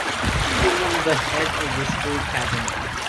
She was the head of the School Cabinet.